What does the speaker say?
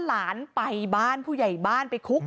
หลานไปบ้านผู้ใหญ่บ้านไปคุก